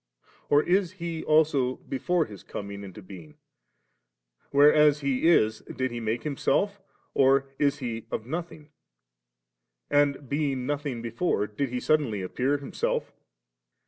or is He also before His coming into beinj^? whereas He is, did He make Himself, or is He of nodiing^ and being nothing before, did He suddenly appear Himself?